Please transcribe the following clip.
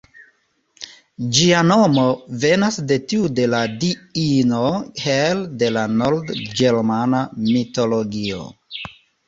Ĝia nomo venas de tiu de la diino Hel, de la nord-ĝermana mitologio.